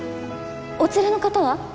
お連れの方は？